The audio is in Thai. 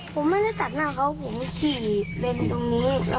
ผมไม่ได้จัดหน้าเขา